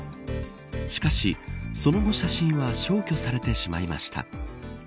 しかし、その後写真は消去されてしまいました。